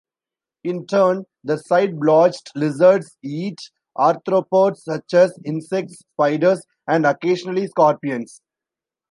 In turn, the side-blotched lizards eat arthropods, such as insects, spiders, and occasionally scorpions.